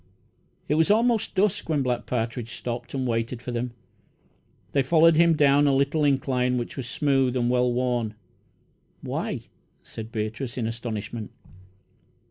It was almost dusk when Black Partridge stopped and waited for them. They followed him down a little incline, which was smooth and well worn. "Why!" said Beatrice, in astonishment.